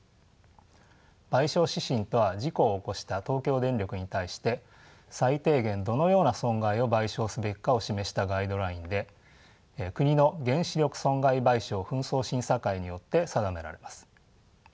賠償指針とは事故を起こした東京電力に対して最低限どのような損害を賠償すべきかを示したガイドラインで国の原子力損害賠償紛争審査会によって定められます。